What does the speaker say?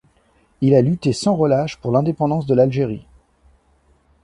Il a lutté sans relâche pour l'indépendance de l'Algérie.